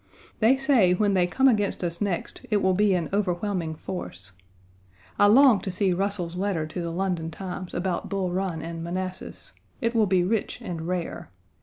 They say when they come against us next it will be in overwhelming force. I long to see Russell's letter to the London Times about Bull Run and Manassas. It will be rich and rare.